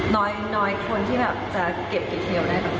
น้อยคนที่แบบจะเก็บดีเทลได้ปกติ